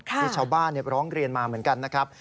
มีชาวบ้านร้องเรียนมาเหมือนกันนะครับ